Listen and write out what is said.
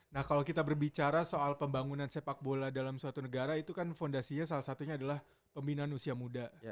nah kalau kita berbicara soal pembangunan sepak bola dalam suatu negara itu kan fondasinya salah satunya adalah pembinaan usia muda